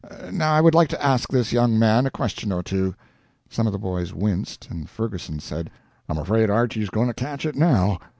Now I would like to ask this young man a question or two." Some of the boys winced, and Ferguson said, "I'm afraid Archy's going to catch it now."